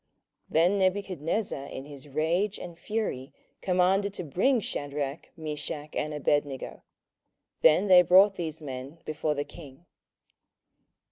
27:003:013 Then Nebuchadnezzar in his rage and fury commanded to bring Shadrach, Meshach, and Abednego. Then they brought these men before the king.